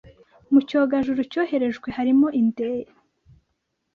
Mu cyogajuru cyoherejwe harimo inde